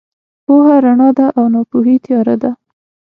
پوهه رڼا ده او ناپوهي تیاره ده.